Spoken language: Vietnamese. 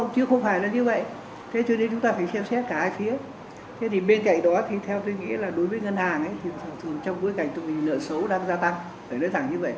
điều kiện như vậy điều kiện ấy cũng đúng điều kiện